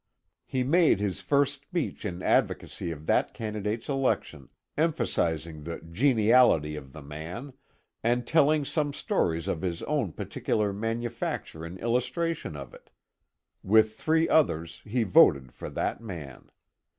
He made his first speech in advocacy of that candidate's election, emphasizing the "geniality" of the man, and telling some stories of his own peculiar manufacture in illustration of it. With three others he voted for that man.